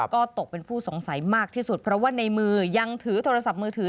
ก็ตกเป็นผู้สงสัยมากที่สุดเพราะว่าในมือยังถือโทรศัพท์มือถือ